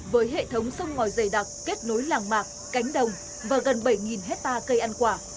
với hệ thống sông ngòi dày đặc kết nối làng mạc cánh đồng và gần bảy hectare cây ăn quả